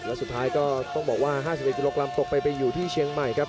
แล้วสุดท้ายก็ต้องบอกว่า๕๑กิโลกรัมตกไปไปอยู่ที่เชียงใหม่ครับ